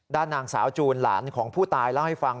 ด้านนางสาวจูนหลานของผู้ตายเล่าให้ฟัง